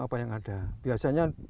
apa yang ada biasanya